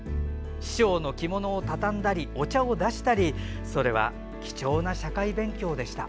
師匠の着物を畳んだりお茶を出したりそれは貴重な社会勉強でした。